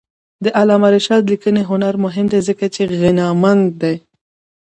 د علامه رشاد لیکنی هنر مهم دی ځکه چې غنامند دی.